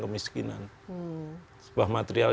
kemiskinan sebuah material